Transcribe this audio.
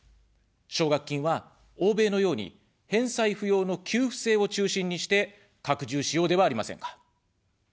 奨学金は、欧米のように返済不要の給付制を中心にして、拡充しようではありませんか。